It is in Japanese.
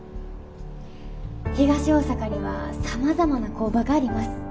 東大阪にはさまざまな工場があります。